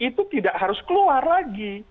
itu tidak harus keluar lagi